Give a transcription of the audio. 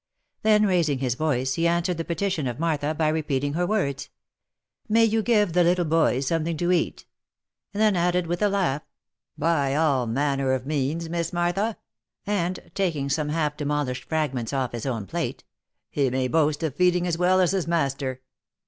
Then raising his voice, he an swered the petition of Martha, by repeating her words, " May you give the little boy something to eat V and then added with a laugh, " By all manner of means, Miss Martha ; and," taking some half demolished fragments off his own plate, " he may boast of feeding as well as his master.